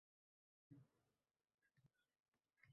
Ipak Yuli banki o'z mijozlariga yangi qulayliklarni taqdim etadi